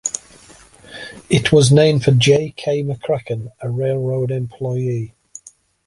It was named for J. K. McCracken, a railroad employee.